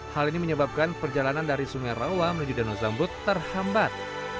hal ini menyebabkan perjalanan dari sungai rawa menuju danau zamrut terhambat